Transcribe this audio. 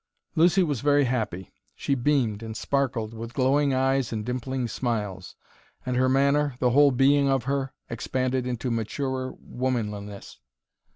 Lucy was very happy. She beamed and sparkled, with glowing eyes and dimpling smiles, and her manner, the whole being of her, expanded into maturer womanliness.